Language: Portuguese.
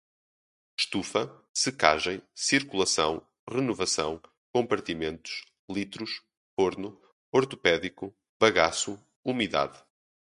estufa, secagem, circulação, renovação, compartimentos, litros, forno, ortopédico, bagaço, umidade